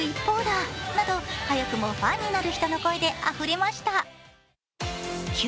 ＳＮＳでは、早くもファンになる人の声であふれました。